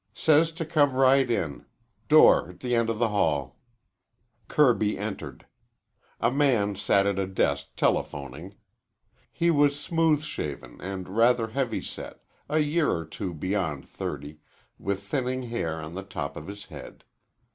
"Says to come right in. Door 't end o' the hall." Kirby entered. A man sat at a desk telephoning. He was smooth shaven and rather heavy set, a year or two beyond thirty, with thinning hair on the top of his head.